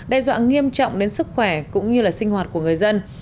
đe dọa nghiêm trọng đến sức khỏe cũng như là sinh hoạt của người dân